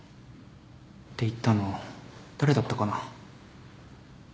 って言ったの誰だったかな。